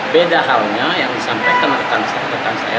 beda halnya yang disampaikan rekan rekan saya